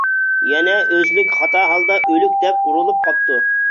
يەنە «ئۆزلۈك» خاتا ھالدا «ئۆلۈك» دەپ ئۇرۇلۇپ قاپتۇ.